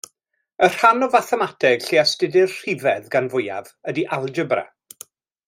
Y rhan o fathemateg lle astudir rhifedd gan fwyaf ydy algebra.